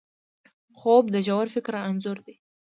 خوب د ژور فکر انځور دی